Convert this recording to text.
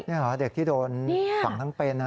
นี่เหรอเด็กที่โดนฝังทั้งเป็น